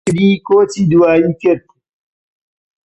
باوکم لە شاری کفری کۆچی دوایی کرد.